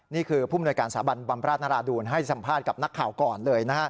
นี่คือผู้มนวยการสาบันบำราชนราดูลให้สัมภาษณ์กับนักข่าวก่อนเลย